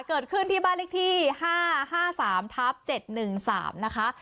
เกิดขึ้นที่บ้านเลขที่๕๕๓ทับ๗๑๓นะคะ